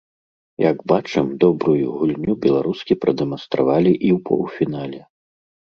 Як бачым, добрую гульню беларускі прадэманстравалі і ў паўфінале.